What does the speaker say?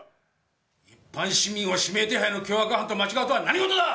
一般市民を指名手配の凶悪犯と間違うとは何事だ！